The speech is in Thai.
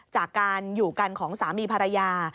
จากการอยู่กันของสามีภรรยา